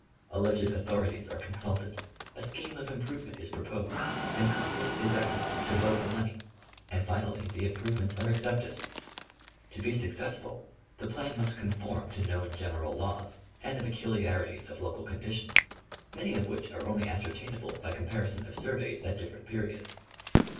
Alleged authorities are consulted, a scheme of improvement is proposed and Congress is asked to vote the money, and finally the improvements are attempted. To be suc cessful, the plan must conform to known general laws and the peculiarities of local conditions, many of which are only ascer tainable by comparison of surveys at different periods.